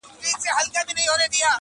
وزیران وه که قاضیان د ده خپلوان وه-